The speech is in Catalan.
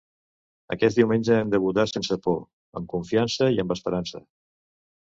“Aquest diumenge hem de votar sense por, amb confiança i amb esperança”.